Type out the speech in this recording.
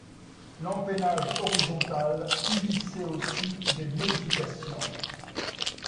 L'empennage horizontal subissait aussi des modifications.